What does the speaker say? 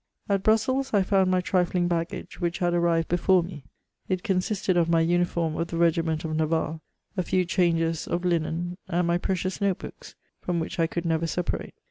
At Brussels I found my trifling b^gage, which had arrived before me : it consisted of my uniform of the regiment of Navarre, a few changes of linen, and my precious note books, from which I could never separate.